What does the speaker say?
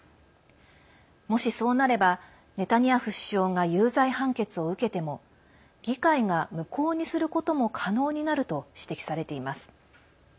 もしそうなればネタニヤフ首相が有罪判決を受けても議会が無効にすることも可能になると指摘されています。